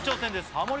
ハモリ